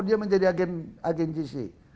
dia menjadi agen jc